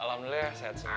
alhamdulillah sehat sekali